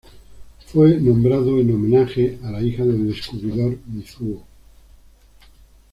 Fue nombrado en homenaje a la hija del descubridor Mizuho.